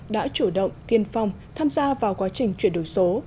đã chủ động tiên phong tham gia vào quá trình chuyển đổi số